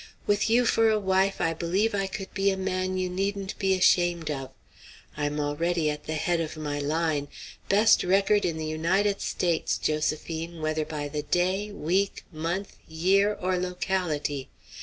With you for a wife, I believe I could be a man you needn't be ashamed of. I'm already at the head of my line. Best record in the United States, Josephine, whether by the day, week, month, year, or locality.